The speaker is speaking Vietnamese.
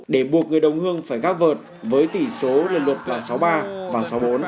để buộc người đồng hương phải gác vợt với tỷ số lần lượt là sáu mươi ba và sáu mươi bốn